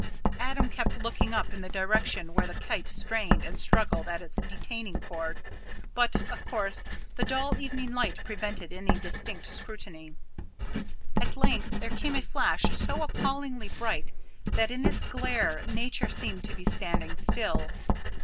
Adam kept looking up in the direction where the kite strained and struggled at its detaining cord, but, of course, the dull evening light prevented any distinct scrutiny. At length there came a flash so appallingly bright that in its glare Nature seemed to be standing still.